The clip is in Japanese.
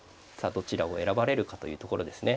どちらを選ばれるかというところですね。